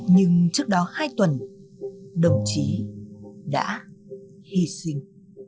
nhưng trước đó hai tuần đồng chí đã hy sinh